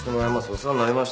お世話になりました。